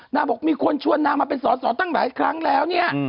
บอกมีคนชวนนางมาเป็นสอสอตั้งหลายครั้งแล้วเนี่ย